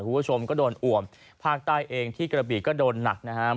คุณผู้ชมก็โดนอ่วมภาคใต้เองที่กระบีก็โดนหนักนะครับ